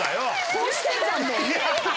こうしてんじゃんもうハハハ。